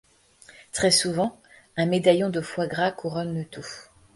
Très souvent, un médaillon de foie gras couronne le tout.